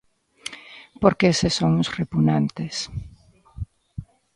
Porque eses son uns repugnantes.